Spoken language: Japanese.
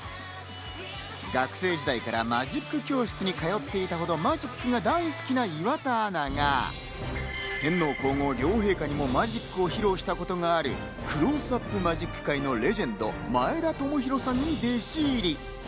学生時代からマジック教室に通っていたほどマジックが大好きな岩田アナが、天皇皇后両陛下にもマジックを披露したことがあるクローズアップマジックのレジェンド・前田知洋さんに弟子入り。